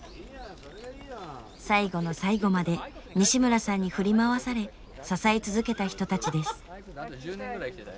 最後の最後まで西村さんに振り回され支え続けた人たちです。